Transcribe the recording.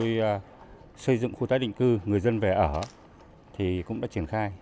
khi xây dựng khu tái định cư người dân về ở thì cũng đã triển khai